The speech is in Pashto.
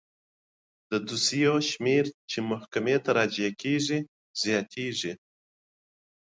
د دوسیو شمیر چې محکمې ته راجع کیږي زیاتیږي.